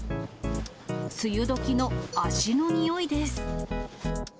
梅雨時の足の臭いです。